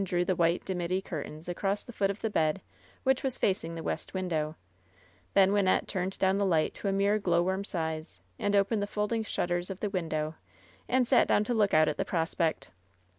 drew the white dimity curtains across the foot of the bed, which was facing the west window. Then Wynnette turned 268 LOVE'S BITTEREST CUP down the ligbt to a mere glow worm size, and opened the folding shutters of the window and sat down to look out at the prospect.